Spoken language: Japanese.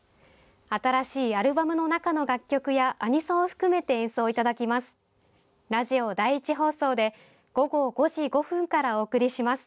新しいアルバムの中の楽曲やアニソンを含めて演奏いただきます。